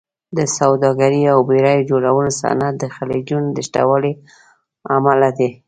د سوداګرۍ او بېړیو جوړولو صنعت د خلیجونو د شتوالي امله دی.